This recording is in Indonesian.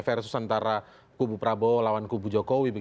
versus antara kubu prabowo lawan kubu jokowi